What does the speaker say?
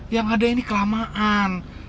yang ada ini kelamaan